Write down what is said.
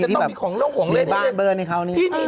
พี่นวัดนี่ห้องนอนแมวอยู่ดี